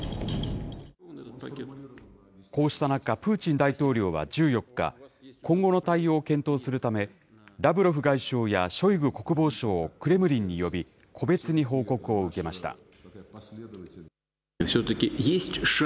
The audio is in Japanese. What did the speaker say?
こうした中、プーチン大統領は１４日、今後の対応を検討するため、ラブロフ外相やショイグ国防相をクレムリンに呼び、個別に報告を受けました。